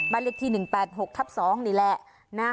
บ้านเล็กที่หนึ่งแปดหกทับสองนี่แหละนะ